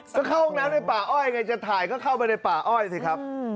ก็เข้าห้องน้ำในป่าอ้อยไงจะถ่ายก็เข้าไปในป่าอ้อยสิครับ